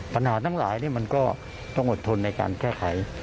ปัญหาทั้งหลายมันก็ต้องอดทนในการแก้ไข